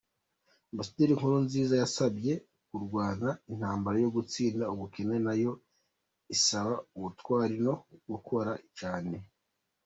Ambasaderi Nkurunziza yabasabye kurwana intambara yo gutsinda ubukene nayo isaba ubutwari no gukora cyane.